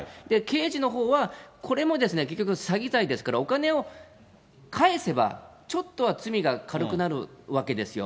刑事のほうはこれも結局、詐欺罪ですから、お金を返せば、ちょっとは罪が軽くなるわけですよ。